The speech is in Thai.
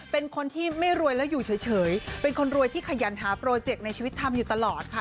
เป็นคนที่ไม่รวยแล้วอยู่เฉยเป็นคนรวยที่ขยันหาโปรเจกต์ในชีวิตทำอยู่ตลอดค่ะ